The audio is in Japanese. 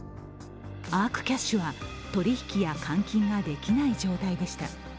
アークキャッシュは取り引きや換金ができない状態でした。